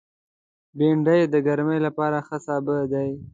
بېنډۍ د ګرمۍ لپاره ښه سابه دی